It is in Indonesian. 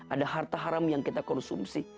ada harta haram yang kita konsumsi